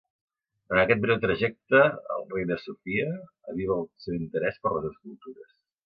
Durant aquest breu trajecte al Reina Sofia aviva el seu interès per les escultures.